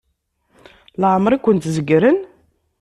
Leɛmeṛ i kent-zerrgen?